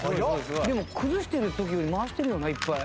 でも崩してる時より回してるよないっぱい。